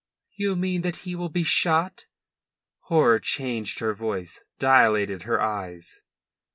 "You mean that he will be shot?" Horror charged her voice, dilated her eyes.